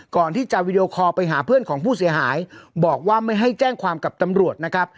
ก่อนที่จะวีดีโอคอลไปหาเพื่อนของผู้เสียหายบอกว่าไม่ให้แจ้งความกับตำรวจนะครับ